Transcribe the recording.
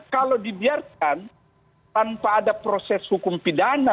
kalau dibiarkan tanpa ada proses hukum pidana